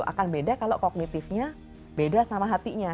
akan beda kalau kognitifnya beda sama hatinya